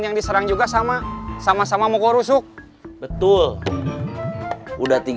maksudnya hicep tarifnya ke paragraph langsung